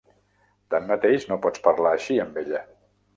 Tanmateix no pots parlar així amb ella.